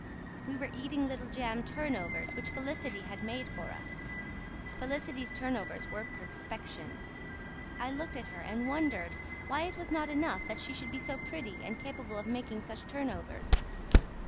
We were eating little jam "turnovers," which Felicity had made for us. Felicity's turnovers were perfection. I looked at her and wondered why it was not enough that she should be so pretty and capable of making such turnovers.